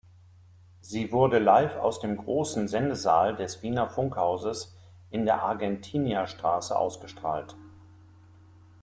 Sie wurde live aus dem großen Sendesaal des Wiener Funkhauses in der Argentinierstraße ausgestrahlt.